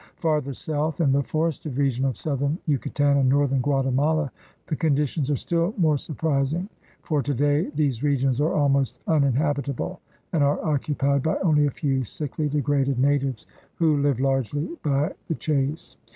Farther south m the forested region of southern Yucatan and northern Guatemala the conditions are still more surprising, for today these regions are almost uninhabitable and are occupied by only a few sickly, degraded natives who live 170 THE RED MAN'S CONTINENT largely by the chase.